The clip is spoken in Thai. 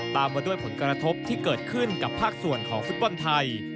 ตามมาด้วยผลกระทบที่เกิดขึ้นกับภาคส่วนของฟุตบอลไทย